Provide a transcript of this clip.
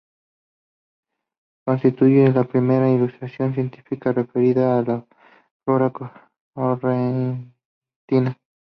Constituye la primera ilustración científica referida a la flora correntina.